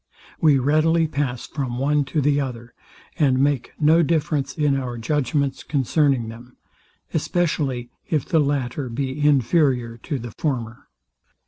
We readily pass from one to the other, and make no difference in our judgments concerning them; especially if the latter be inferior to the former.